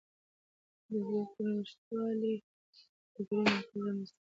د زده کړې نشتوالی کلتوري کمزوري رامنځته کوي.